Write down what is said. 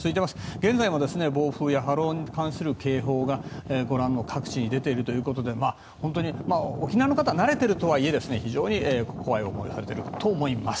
現在も暴風や波浪に関する警報がご覧の各地に出ているということで沖縄の方は慣れているとはいえ非常に怖い思いをされていると思います。